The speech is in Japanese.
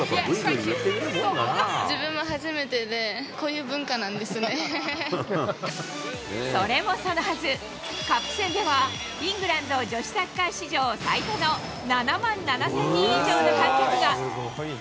自分も初めてで、こういう文それもそのはず、カップ戦ではイングランド女子サッカー史上最多の７万７０００人以上の観客が。